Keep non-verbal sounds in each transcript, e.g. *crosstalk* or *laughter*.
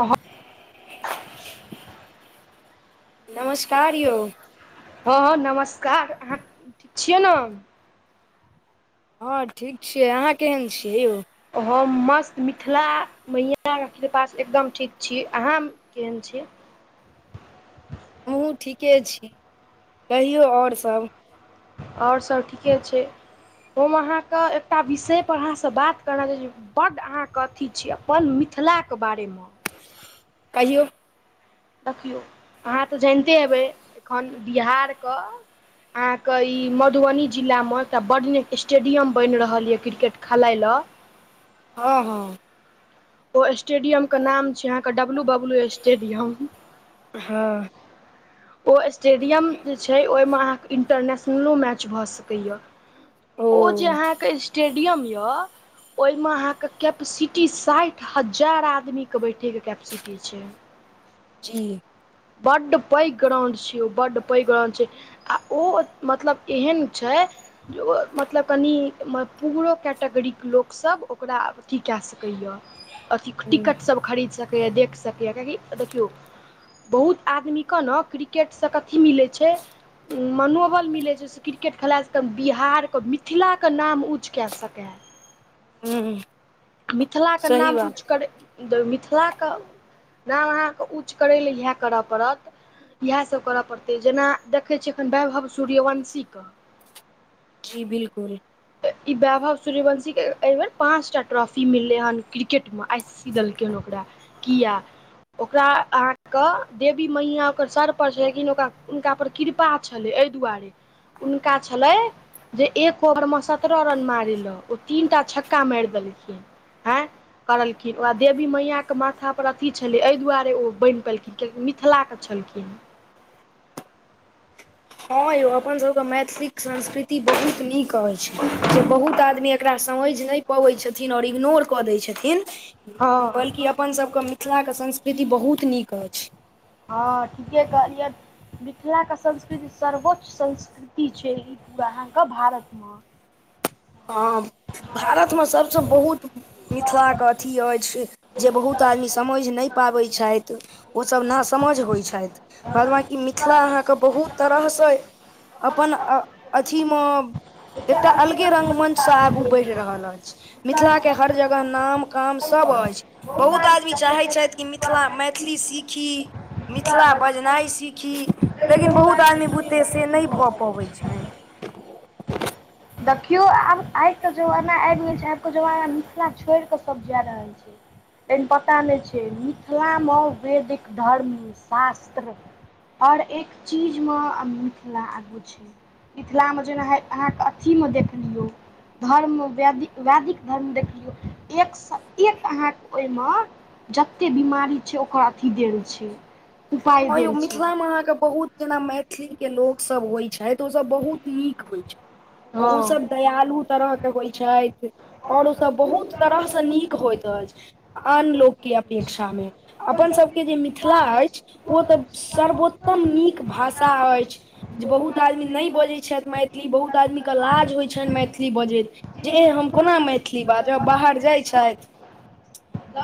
अहं नमस्कार यौ हँ हँ नमस्कार अहाँ ठीक छियै न हँ ठीक छियै अहाँ केहन छियै यौ हम मस्त मिथिला मैया *unintelligible* कृपासे एकदम ठीक छी अहाँ केहन छी हमहुँ ठीके छी कहियौ आओर सब आओर सभ ठीके छै हम अहाँके एकटा विषय पर अहाँसँ बात करन *unintelligible* बड्ड अहाँके अथी छी अपन मिथिलाके बारेमे कहियौ देखियौ अहाँ तऽ जनिते हेबै एखन बिहारके अहाँ के ई मधुबनी जिला मे एकटा बड्ड नीक स्टेडियम बनि रहल ये क्रिकेट खेलाय ल हँ हँ ओ स्टेडियम के नाम छै अहाँ के डब्लू डब्लू स्टेडियम हँ ओ स्टेडियम जे छै ओहिमे अहाँके इंटरनेशनलो मैच भऽ सकैय ओ जे अहाँके स्टेडियम य ओहिमे अहाँ के कैपसिटी साठि हजार आदमी के बैठे के कैपसिटी छै जी बड्ड पैघ ग्राउंड छै ओ बड्ड पैघ ग्राउंड छै आ ओ मतलब एहन छै जे ओ मतलब कनि पूअरो कैटेगरीके लोकसभ ओकरा अथी कए सकैए अथी टिकटसभ खरीद सकैए देखि सकैए किएकि देखियौ बहुत आदमी क न क्रिकेट से कथी मिलै छै मनोबल मिलै छै क्रिकेट खेलाय सकैऽ बिहारके मिथिलाके नाम ऊँच कै सकै हूंम्म मिथिलाके नाम ऊँच करैत तऽ मिथिलाके नाम अहाँके ऊँच करै लए इएह करय पड़त इएह सभ करय पड़तै जेना देखै छियै अखन वैभव सूर्यवंशीके जी बिल्कुल तऽ ई वैभव सूर्यवंशी के एहि बेर पाँच टा ट्रॉफी मिललै हन क्रिकेट मे आइ सी की दलकै हन ओकड़ा कीये ओकरा अहाँके देवी मैया ओकर सर पर छै लेकिन ओ हुनका पर कृपा छलै एहि दुआरे हुनका छलै जे एक और मस सत्ररह रन मारै ल ओ तीन टा छक्का मारि देलखिन आँय *inaudible* करलखिन ओकरा देवी मैयाके माथापर अथी छलै एहि दुआरे ओ बनि पयेलखिन कियि मिथिलाके छलखिन हँ यौ अपन सब के मैथिली संस्कृति बहुत नीक की कहै छै जे बहुत आदमी एकरा समझि नहि पबै छथिन आओर इग्नोर कऽ दै छथिन हँ बल्कि अपनसभके मिथिलाके संस्कृति बहुत नीक अछि हँ ठीके कहलियै मिथिलाके संस्कृति सर्वोच्च संस्कृति छै ई पूरा अहाँके भारत मं हँ भारतमे सबसँ बहुत मिथिलाके अथी अछि जे बहुत आदमी समइझ नय पाबै छ इथ ओसब नासमझ होइ छथि बाद बाँकी मिथिला अहाँके बहुत तरहसँ अपन अथी मे एकटा अलग ऐसे रंगमंच से आगू बढ़ि रहल अछि मिथिला के हर जगह नाम काम सब अछि बहुत आदमी चाहैत छथि कि मिथिला मैथिली सीखी मिथिला बजनाइ सीखी लेकिन बहुत आदमी बुते से नहि भऽ पबैत छनि देखियौ आब आइ के जमाना आइब गेल छै आबके जमाना मिथिला छोइड़ कऽ सब जा रहल छै त पता नय छै मिथिलामे वैदिक धर्म शास्त्र आओर एक चीजमे मिथिला आगू छै मिथिलामे जेना अहाँके ची म देख दियौ धर्म वैदिक वैदिक धर्म देख लियौ एकसँ एक अहाँके ओहिमे जतेक बीमारी छै ओकर अथी देल छै उपाय हँ यौ देल छै मिथिलामे अहाँके बहुत जेना मैथिली के लोकसब होइत छइथ ओसब बहुत नीक होइत छथ हँ ओसब दयालु तरहके होइ छथि आओर ओसभ बहुत तरहसँ नीक होइत अछि आन लोकके अपेक्षामे अपन सबके जे मिथिला अछि ओ तऽ सर्वोत्तम नीक भाषा अछि जे बहुत आदमी नहि बजैत छथि मैथिल ी बहुत आदमी के लाज होइ छनि मैथिली बजैत जे हम कोना मैथिली बाज जो बाहर जाय छथि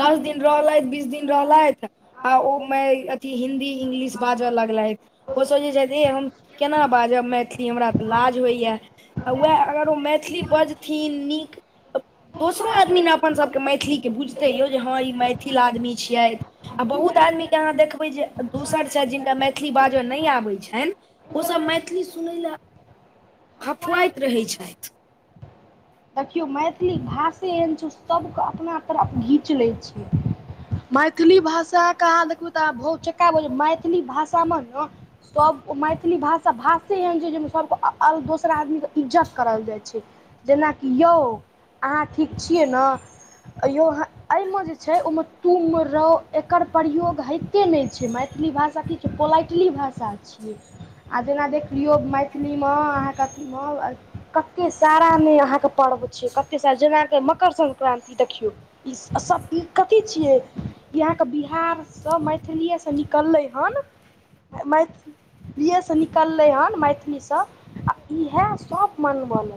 दस दिन रहलथि बीस दिन रहलथि आ ओमे अथी हिन्दी इंग्लिश बाजऽ लगल ह ओ सोचै छथि हे हम केना बाजब मैथिली हमरा तऽ लाज होइए आ वएह अगर ओ मैथिली बजथिन नीक दोसरो आदमी ने अपनसभके मैथिलीके बुझतै यौ जे हँ ई मैथिल आदमी छियथि आ बहुत आदमीकेँ अहाँ देखबै जे दोसर छथि जिनका मैथिली बाजय नहि आबैत छनि ओसब मैथिली सुनय लेल हफुआइत रहैत छथि देखियौ मैथिली भाषे एहन छै ओ सबके अपना तरफ घीच लै छिय मैथिली भाषा कहाँ देखू तऽ आ बहुत चक्का ब मैथिली भाषामे न सबके मैथिली भाषा भाषे एहन छै जाहिमे सबके दोसर आदमीके इज्जत करल जाइ छै जेनाकि यौ अहाँ ठीक छियै ने यौ अ एहिमे जे छै ओहिमे तूमे रहौ एकर प्रयोग होइ कतेक नहि छै मैथिली भाषा की छै पोलाइटली भाषा छियै आ जेना देख लियौ मैथिलीमे अहाँके अथीमे कते सारामे अहाँके पर्व छै कते साल जेनााक मकर संक्रान्ति देखियौ ई सभ कथी छियै अहाँके बिहार सब मैएसँ निकललै हन मै प्रियएसँ निकललै हन मैथिलीसँ आ इएह सभ मनमन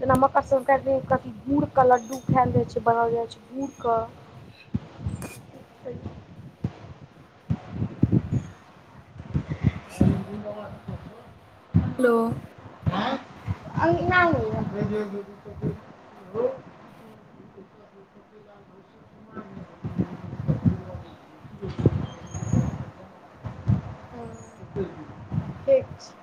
जेना मक्कसभ *unintelligible* काटि द कथी गुड़के लड्डू खायल जाइ छै बनाओल जाइ छै गुड़के *inaudible* वाद *inaudible* हेलो अ इ *inaudible* सुी लाल घोषण *inaudible* ह *inaudible* ज *inaudible* ठीक छै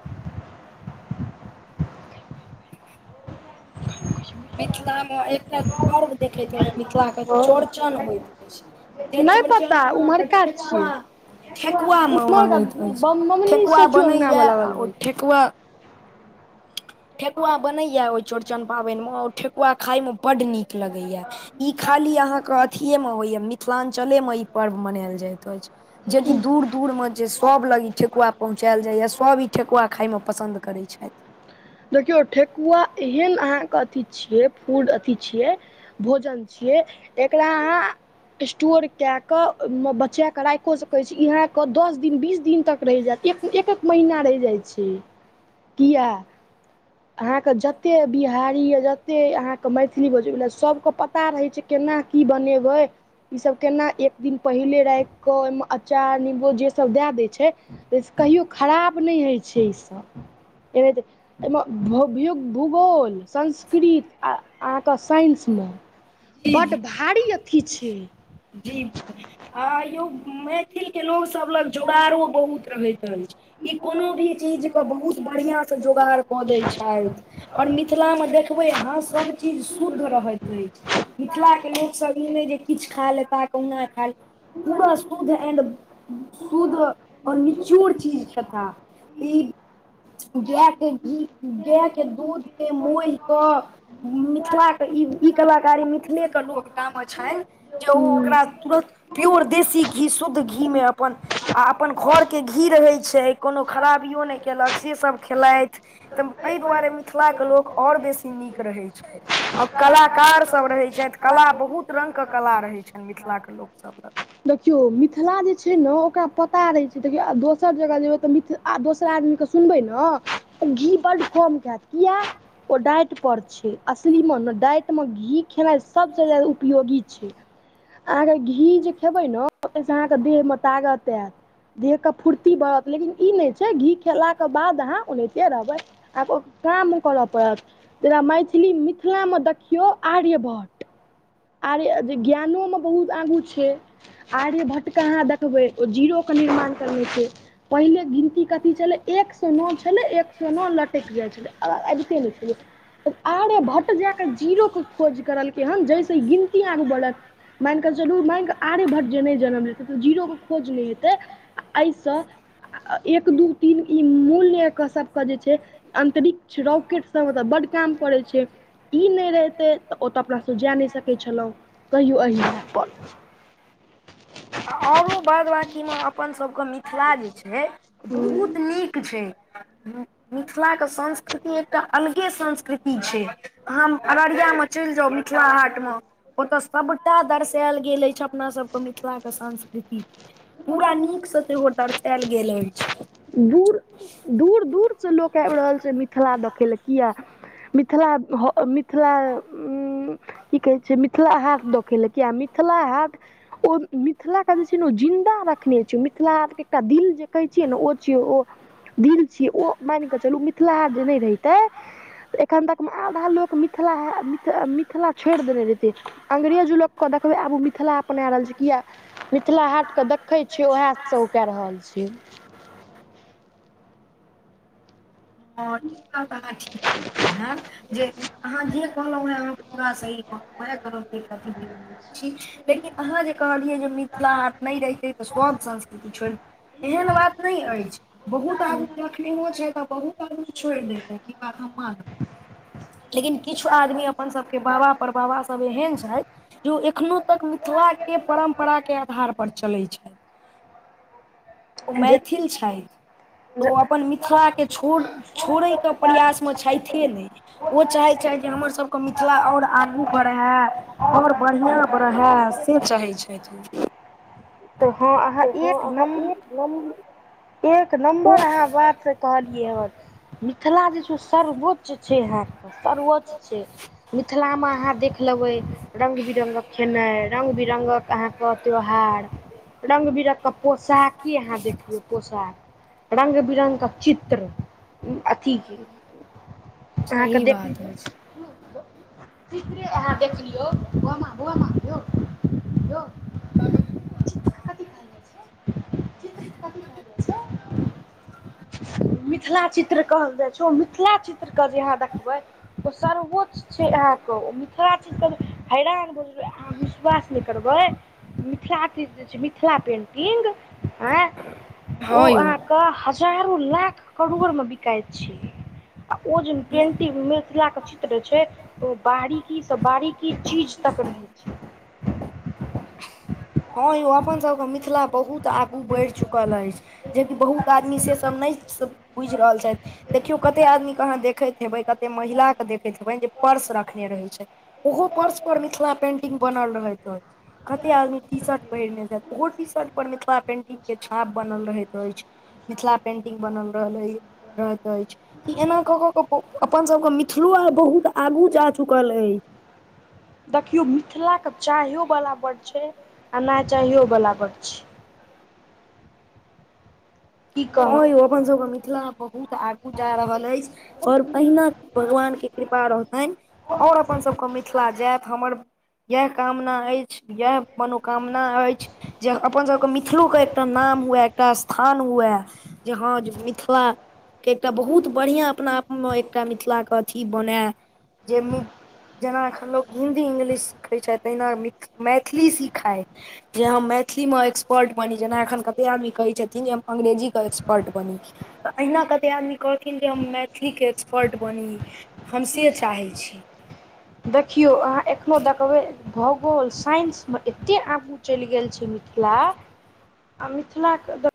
मिथिला मे एकटा पर्व देखेत हुए मिथिला के छै चौड़चन होइत अछि जे नहि चौड़चन पता मे अहाँके उम्हरका ठेकुआ छियै ठेकुआ म उम्हरका मागैत अछि मम्मी ठेकुआ से चुअंगना बनैय मे लागल ओ रहै छै ठेकुआ ठेकुआ बनैय ओह चौरचन पाबनि मे ठेकुआ खाय मे बड नीक लगैय ई खाली अहाँके अथिएमे होइए मिथिलाञ्चलेमे ई पर्व मनायल जाइत अछि जेकि दूर दूरमे जे सभ लग ई ठेकुआ पहुँचायल जाइए सभ ई ठेकुआ खाइमे पसन्द करै छथि देखियौ ठेकुआ एहन अहाँके अथि छियै फूड अथि छियै भोजन छियै एकरा अहाँ स्टोर के के बचा के राखो सके छी इहा के दस दिन बीस दिन तक रैह जात एक एक एक महीना रहि जाइ छी किया अहाँके जतेक बिहारी या जतेक अहाँके मैथिली बजै ल सभ के पता रहै छै केना की बनेबै ईसभ केना एक दिन पहिले राखि कऽ ओहिमे अचार नूम्बो जे सभ दए दै छै कहियो खराब नहि होइत छै ईसभ एना एहिमे भूगोल संस्कृत आ अहाँके साइंस जी बड जी भारी अथी छीये जी आ यौ मैथिलके लोकसभ त जोगाड़ो बहुत रहैत अछि ई कोनो भी चीजके बहुत बढ़िआँ सँ जोगाड़ कऽ दै छथि आओर मिथिलामे देखबै अहाँ सभचीज शुद्ध रहैत अछि मिथिलाके लोकसभ ई नहि जे किछु खा लेताह कहुना खा लेता पूरा शुद्ध एंड शुद्ध आ निचोड़ चीज खेता ई गाए के घी गए के दूध के मोह कऽ मिथिलाके ई ई कलाकारी मिथिलेके लोक टा छथि जे ओ हूँ ओकरा तुरन्त पीऔर देशी घी शुद्ध घीमे अपन आ अपन घरके घी रहैत छै कोनो खराबियो नहि केलक से सभ खेलथि तऽ एहि दुआरे मिथिला के लोक आओर बेसी नीक रहै छै आ कलाकार सभ रहै छथि कला बहुत रंगग के कला रहै छनि मिथिला के लोकसभ मे देखियौ मिथिला जे छै ने ओकरा पता रहै छै देखियौ आ दोसर जगह जेबै तऽ मिथिला आ दोसरा आदमीके सुनबै ने त घी बड्ड कम खत किया ओ डाइटपर छै असलीमे ने डाइटमे घी खेनाइ सबसे जादा उपयोगी छै अहाँके घी जे खेबै ने ओतहिसँ अहाँके देहमे तागत आयत देहके फूर्ती बढ़त लेकिन ई नहि छै घी खेलाके बाद अहाँ ओनाहिते रहबै आहाँक उ काम नय करय पड़त जेना मैथिली मिथिलामे देखियौ आर्यभट्ट आर्य ज्ञानोमे बहुत आगू छै आर्यभट्ट के अहाँ देखबै ओ जीरो के निर्माण करने छै पहिले गिनती कथी छलै एक सए नओ छलै एक सए नओ लटकि जायत छलै आ अबिते नहि छलै आर्यभट जाय कऽ जीरोकऽ खोज करलकै हन जहिसे ई गिनती आगू बढ़ल मानि कऽ चलू मानि कऽ आर्यभट्ट जे नहि जनम लेतै तऽ ओ जीरोके खोज नहि हेतै एहिसँ एक दू तीन ई मूल्यके सभके जे छै अन्तरिक्ष रॉकेट सब मे त बड्ड काम पड़े छै ई नहि रहितै तऽ ओतऽ अपनासँ जाय नहि सकैत छलहुँ कहियो एहि आ ओरो बाद बाकीमे अपनसभके मिथिला जे छै पर बहुत नीक छै मिथिलाके संस्कृति एकटा अलगे संस्कृति छै आहा अररियामे चलि जाउ मिथिला हाटमे ओतऽ सभटा दर्शायल गेल अछि अपना सबके मिथिला के संस्कृति के पूरा नीकसँ सेहो दरसायल गेल अछि दूर दूर दूरसँ लोक आबि रहल छै मिथिला देखय लेल किया मिथिला मिथिला उ की कहै छै मिथिला हाट देखैल किया मिथिला हाट ओ मिथिलाके जे छै ने जिन्दा रखने छ मिथिला आर के एकटा दिल जे कहै छियै नऽ ओ छिय ओ दिल छियै ओ मान कऽ चलू मिथिला हाट जे नहि रहितै तऽ एखन तकमे आधा लोक मिथिला ह मिथिला छोड़ि देने रहितै अंग्रेज लोकके देखबै आब ओ मिथिला अपनाए रहल छै किया मिथिला हाटके देखै छियै उएहसँ ओ कए रहल छै हँ ई बात अहाँ ठीक कहलहुँ जे अहाँ जे कहलहुं हेँ अहाँ पूरा सही *unintelligible* लेकिन आहाँ कहलियै जे मिथिला हाट नहि रहितै तऽ सभ संस्कृति छोड़ै एहन बात नइ अछि बहुत आदमी रखनेहो छै त बहुत बहुत आदमी छोड़ि दतै ई बात हम मानब लेकिन किछु आदमी अपनसभके बाबा परबाबासभ एहन छैथ जे एखनो तक मिथिलाके परम्पराके आधार पर चलै छै ओ मैथिल जे छथि तऽ ओ अपन मिथिलाके छोड़ छोड़यके प्रयासमे छथिे नहि ओ चाहैत छथि जे हमर सभके मिथिला आओर आगू बढ़य आओर बढ़िआँ बढ़ै से चाहै छथि ओ तऽ हँ अहाँ हँ एक नम *unintelligible* एक नम्बर अहाँ एक बात कहलियै हन मिथिला जे छै सर्वोच्च छै अहाँके सर्वोच्च छै मिथिलामे अहाँ देख लेबै रङ्ग बिरङ्गक खेनाई रङ्ग बिरङ्गक अहाँके त्यौहार रंग बिरंग कऽ पोशाक की अहाँ देखबे पोशाक रंग बिरंग क चित्र अथी अहाँके सही बात देखयो अछि चित्रे अहाँ देखलियौ *unintelligible* यौ ल कभी खालने छय कथि कहल जाय छय मिथिला चित्र कहल जाए मिथिला चित्रके जे अहाँ देखबै ओ सर्वोच्च से अहाँके ओ मिथिला चीज त हैरान बजै अहाँ विश्वास नय करबै मिथिला चीज जे छै मिथिला पेन्टिंग एँ ओ हँ अहाँ यौ ओ हजारो लाख करोड़ में बिकाइ छै आ ओ जे पेंटिंग मिथिला के चित्र छै ओ बारीकी से बारीकी चीज तक रहे छै हँ यौ अपन सबके मिथिला बहुत आगू बढ़ि चुकल अछि जेकि बहुत आदमी से सब नय बुझि रहल छथि देखियौ कते आदमीके अहाँ देखैत हेबै कतेक महिलाके देखैत हेबै जे पर्स रखने रहै छै ओहो पर्स पर मिथिला पेंटिंग बनल रहैत अछि कते आदमी टी शर्ट पहिरने छै ओहो टी शर्ट पर मिथिला पेंटिंग के छाप बनल रहैत अछि मिथिला पेंटिंग बनल रहल अछि रहैत अछि ई एना कऽ कऽ के अपनसभके मिथिलो आर बहुत आगू जा चुकल अइ देखियो मिथिलाे चााहयो वला बड छै आ नय चाहियोवला बड छै की कहू हँ य अपन सबके मिथिला मे बहुत आगू जा रहल अछि आओर पहिने भगवान के कृपा रहतनि आओर अपन सबके मिथिला जायत हमर इएह कामना अछि इएह मनोकामना अछि जे अपन सबके मिथिलो के एकटा नाम हुए एकटा स्थान हुए जे हँज मिथिला के एकटा बहुत बढ़िआँ अपना आपमे एकटा मिथिलाके अथी बनय जे जेना एखन लोक हिंदी इंग्लिश सीखै छै तेहिना मिक्स मैथिली सिखाय जे हम मैथिलीमे एक्सपर्ट बनी जेना एखन कते आदमी कहै छथिन हम अंग्रेजी ट बनी न कहथिन जे हम मैथिलीके एक्सपर्ट बनी हम से चाहै छी देखियौ अहाँ एखनो देखबै भूगोल साइंस में एते आ चलि गेल छी मिथिला आ मिथिला के